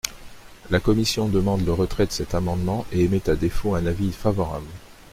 La commission demande le retrait de cet amendement et émet à défaut un avis favorable.